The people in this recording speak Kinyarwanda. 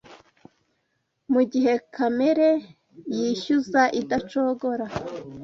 mugihe kamere yishyuza idacogora